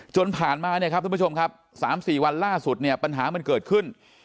จนผ่านมาเนี่ยครับทุกผู้ชมครับ๓๔วันล่าสุดเนี่ยปัญหามันเกิดขึ้น